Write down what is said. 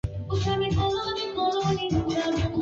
Hata hivyo ndani ya Chama cha mapinduzi na Serikali